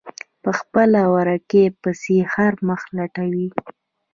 په خپله ورکې پسې هر مخ لټوي.